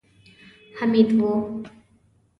حميد و.